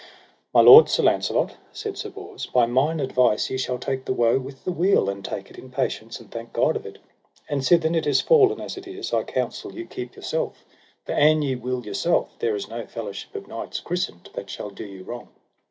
My lord, Sir Launcelot, said Sir Bors, by mine advice ye shall take the woe with the weal, and take it in patience, and thank God of it. And sithen it is fallen as it is, I counsel you keep yourself, for an ye will yourself, there is no fellowship of knights christened that shall do you wrong.